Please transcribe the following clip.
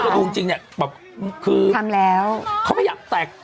สักครณ์จริงจริงเนี่ยเบาคือทำแล้วเขาไม่อยากแตก